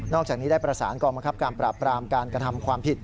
จากนี้ได้ประสานกองบังคับการปราบปรามการกระทำความผิด